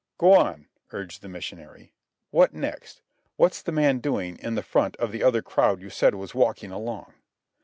"Go on," urged the missionary. "What next? What's the man doing in the front of the other crowd you said was walking along?"